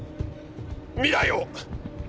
未来を！